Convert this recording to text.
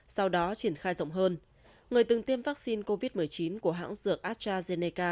sau đó triển khai rộng hơn người từng tiêm vaccine covid một mươi chín của hãng dược astrazeneca